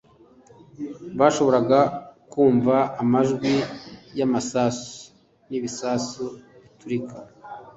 Bashoboraga kumva amajwi y'amasasu n'ibisasu biturika